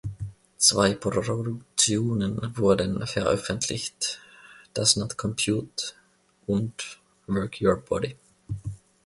Zwei Produktionen wurden veröffentlicht: "Does not compute" und "Work your Body".